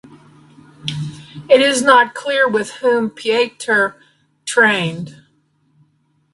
It is not clear with whom Pieter trained.